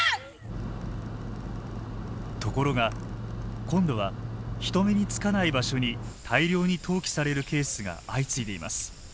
ところが今度は人目につかない場所に大量に投棄されるケースが相次いでいます。